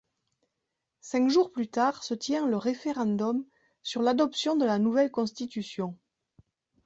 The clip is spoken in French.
Cinq jours plus tard se tient le référendum sur l'adoption de la nouvelle Constitution.